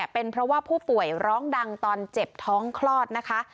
เป็นเพราะว่าผู้ป่วยร้องดังตอนเจ็บท้องคลอดนะคะ